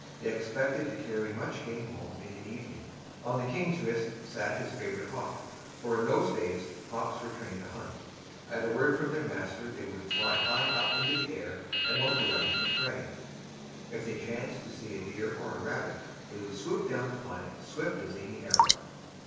They expected to carry much game home in the evening. On the king's wrist sat his favorite hawk; for in those days hawks were trained to hunt. At a word from their masters they would fly high up into the air, and look around for prey. If they chanced to see a deer or a rabbit, they would swoop down upon it swift as any arrow.